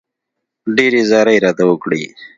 ډېرې زارۍ راته وکړې.